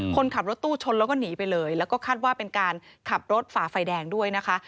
คนขับรถตู้ชนแล้วก็หนีไปเลยแล้วก็คาดว่าเป็นการขับรถฝ่าไฟแดงด้วยนะคะ